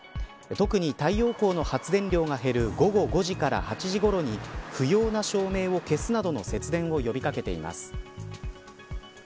特に太陽光の発電量が減る午後５時から８時ごろに不要な照明を消すなどの節電を呼び掛けています。